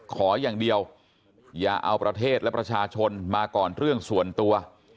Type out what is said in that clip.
ขออย่างเดียวอย่าเอาประเทศและประชาชนมาก่อนเรื่องส่วนตัว